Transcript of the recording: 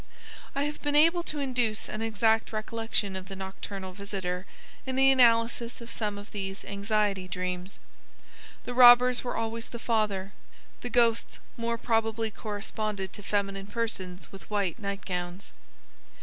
I have been able to induce an exact recollection of the nocturnal visitor in the analysis of some of these anxiety dreams. The robbers were always the father, the ghosts more probably corresponded to feminine persons with white night gowns.